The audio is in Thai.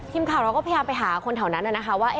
ทีมข่าวเราก็พยายามไปหาคนแถวนั้นนะคะว่า